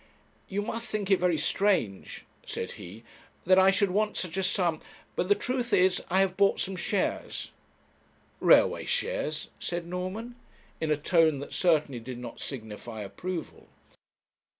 'You must think it very strange,' said he, 'that I should want such a sum; but the truth is I have bought some shares.' 'Railway shares?' said Norman, in a tone that certainly did not signify approval.